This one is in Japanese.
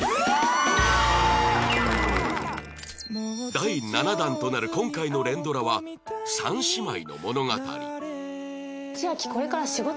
第７弾となる今回の連ドラは３姉妹の物語